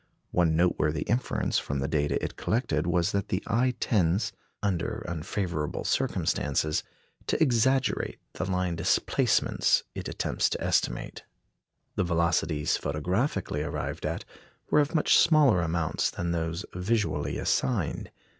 One noteworthy inference from the data it collected was that the eye tends, under unfavourable circumstances, to exaggerate the line displacements it attempts to estimate. The velocities photographically arrived at were of much smaller amounts than those visually assigned.